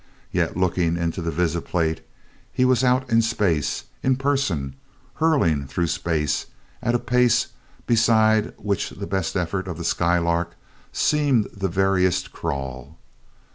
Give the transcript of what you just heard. Yet, looking into the visiplate, he was out in space in person, hurtling through space at a pace beside which the best effort of the Skylark seemed the veriest crawl.